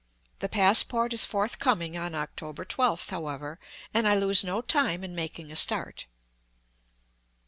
The passport is forthcoming on October 12th, however, and I lose no time in making a start.